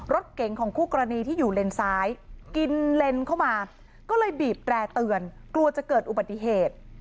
รถเก๋งของคู่กรณีที่อยู่เลนซ้ายกินเลนเข้ามาก็เลยบีบแตร่เตือนกลัวจะเกิดอุบัติเหตุ